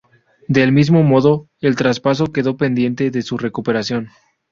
Del mismo modo, el traspaso quedó pendiente de su recuperación.